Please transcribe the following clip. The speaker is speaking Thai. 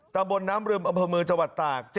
ตำบลน้ำลึมอำเภอมือจวัดตาก